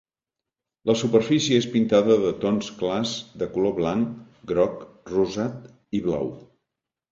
La superfície és pintada de tons clars de color blanc, groc, rosat i blau.